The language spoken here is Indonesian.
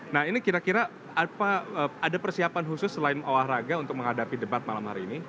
nah ini kira kira ada persiapan khusus selain olahraga untuk menghadapi debat malam hari ini